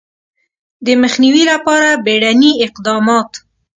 د مخنیوي لپاره بیړني اقدامات